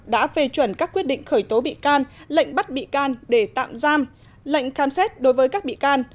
đã phê chuẩn các quyết định khởi tố bị can lệnh bắt bị can để tạm giam lệnh khám xét đối với các bị can